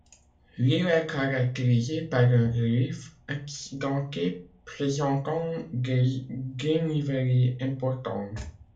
L'île est caractérisée par un relief accidenté présentant des dénivelés importants.